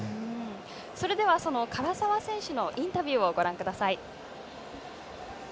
それでは、その唐澤選手のインタビューをご覧ください。